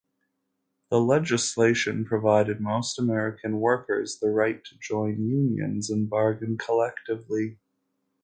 This legislation provided most American workers the right to join unions and bargain collectively.